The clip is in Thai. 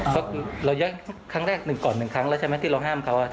อ๋อสุดจำได้ยังครับมีเรื่องฉีดมีเรื่องอะไรเกิดขึ้นด้วย